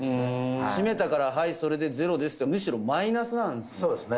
閉めたから、はい、それでゼロですじゃなく、むしろマイナスなんですね。